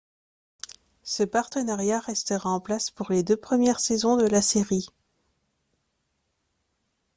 Ce partenariat restera en place pour les deux premières saisons de la série.